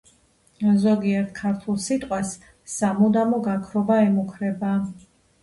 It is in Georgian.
ზოგიერთ ქართულ სიტყვას სამუდამო გაქრობა ემუქრება.